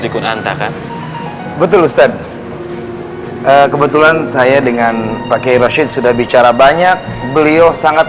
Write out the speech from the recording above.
diperlantarkan betul ustadz kebetulan saya dengan pakai rashid sudah bicara banyak beliau sangat